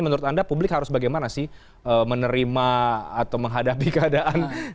menurut anda publik harus bagaimana sih menerima atau menghadapi keadaan